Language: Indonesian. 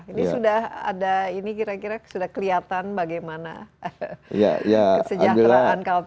ini sudah ada ini kira kira sudah kelihatan bagaimana kesejahteraan kaltara akan meningkat